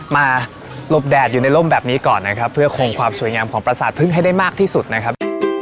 หลบแดดอยู่ในร่มแบบนี้ก่อนนะครับเพื่อคงความสวยงามของประสาทพึ่งให้ได้มากที่สุดนะครับ